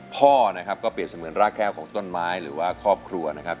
พ่อนะครับก็เปรียบเสมือนรากแก้วของต้นไม้หรือว่าครอบครัวนะครับ